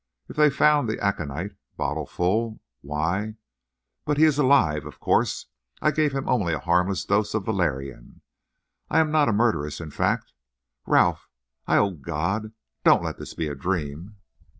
. If they found the aconite bottle full, why—but, he is alive, of course—I gave him only a harmless dose of valerian ... I am not a murderess in fact ... Ralph, I—O God, don't let this be a dream!"